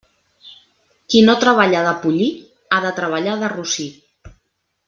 Qui no treballa de pollí, ha de treballar de rossí.